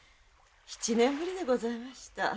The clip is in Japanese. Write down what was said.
７年ぶりでございました。